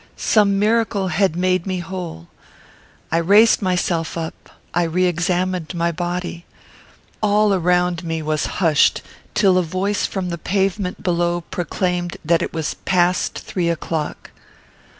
Some miracle had made me whole. I raised myself up. I re examined my body. All around me was hushed, till a voice from the pavement below proclaimed that it was "past three o'clock."